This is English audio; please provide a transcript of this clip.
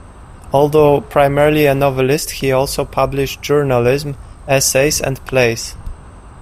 Although primarily a novelist, he also published journalism, essays, and plays.